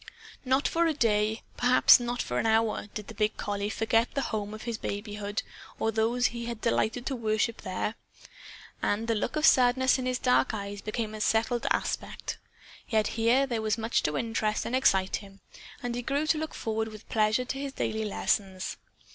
Not for a day, perhaps not for an hour, did the big collie forget the home of his babyhood or those he had delighted to worship, there. And the look of sadness in his dark eyes became a settled aspect. Yet, here, there was much to interest and to excite him. And he grew to look forward with pleasure to his daily lessons.